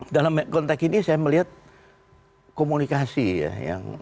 dalam konteks ini saya melihat komunikasi ya